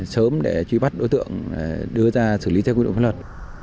sớm để truy bắt đối tượng đưa ra xử lý theo quy luật